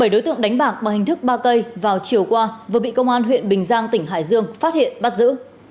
bảy đối tượng đánh bạc bằng hình thức ba cây vào chiều qua vừa bị công an huyện bình giang tỉnh hải dương phát hiện bắt giữ